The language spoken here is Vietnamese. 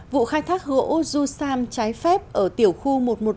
vụ khai thác hữu ô du xam trái phép ở tiểu khu một nghìn một trăm ba mươi ba